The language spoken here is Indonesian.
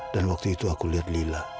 dan waktu itu aku liat lila